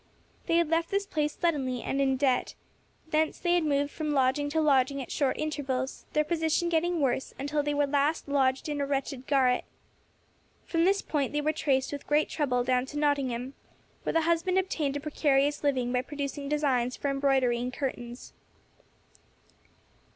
They had left this place suddenly, and in debt; thence they had moved from lodging to lodging at short intervals, their position getting worse, until they were last lodged in a wretched garret. From this point they were traced with great trouble down to Nottingham, where the husband obtained a precarious living by producing designs for embroidery and curtains.